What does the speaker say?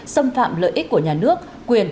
xâm phạm lợi ích của nhà nước quyền